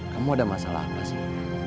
kamu ada masalah apa sih